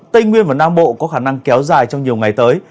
tây nguyên và nam bộ có khả năng kéo dài trong nhiều ngày tới